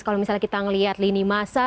kalau misalnya kita melihat lini masa